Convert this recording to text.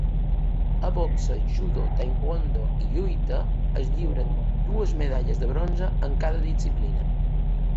A boxa, judo, taekwondo i lluita es lliuren dues medalles de bronze en cada disciplina.